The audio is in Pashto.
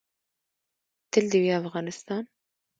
تل دې وي افغانستان؟